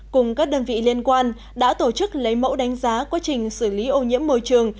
cùng các đơn vị liên quan đã tổ chức lấy mẫu đánh giá quá trình xử lý ô nhiễm môi trường